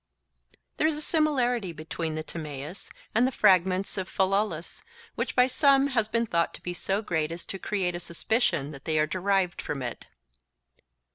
There is a similarity between the Timaeus and the fragments of Philolaus, which by some has been thought to be so great as to create a suspicion that they are derived from it.